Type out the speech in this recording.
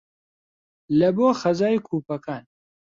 لە بۆ خەزای کوپەکان